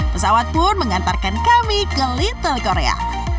pesawat pun mengantarkan kami ke little korea